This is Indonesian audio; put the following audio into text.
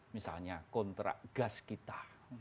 misalnya kontrak gas kita